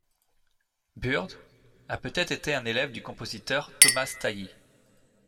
Byrd a peut-être été un élève du compositeur Thomas Tallis.